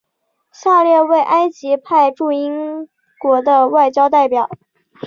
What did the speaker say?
下列为埃及派驻英国的外交代表。